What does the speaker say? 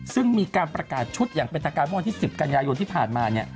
ซึ่งมีการประกาศชุดอย่างเป็นตักรมที่๑๐กันยายนที่ผ่านมา